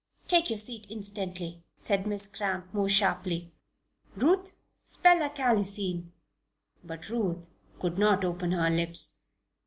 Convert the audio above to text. take your seat instantly!" said Miss Cramp, more sharply. "Ruth! spell 'acalycine.'" But Ruth could not open her lips.